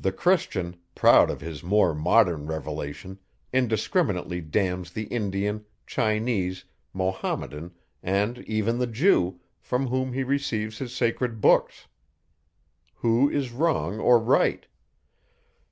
The Christian, proud of his more modern revelation, indiscriminately damns the Indian, Chinese, Mahometan, and even the Jew, from whom he receives his sacred books. Who is wrong or right?